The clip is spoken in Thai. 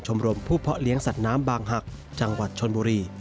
รมผู้เพาะเลี้ยงสัตว์น้ำบางหักจังหวัดชนบุรี